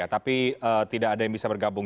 tapi tidak ada yang bisa bergabung